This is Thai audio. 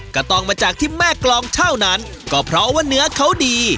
ก็ต้องมาจากที่แม่กรองเท่านั้นก็เพราะว่าเนื้อเขาดี